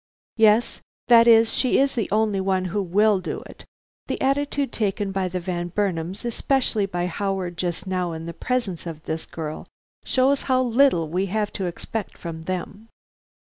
"Yes; that is, she is the only one who will do it. The attitude taken by the Van Burnams, especially by Howard just now in the presence of this girl, shows how little we have to expect from them."